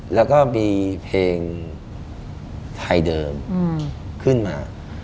แล้วก็มีเพลงไทยเดิมขึ้นมา